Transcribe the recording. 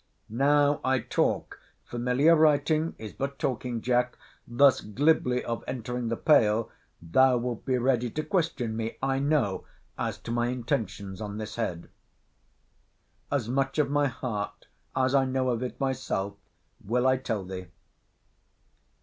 Now I talk [familiar writing is but talking, Jack] thus glibly of entering the pale, thou wilt be ready to question me, I know, as to my intentions on this head. As much of my heart, as I know of it myself, will I tell thee.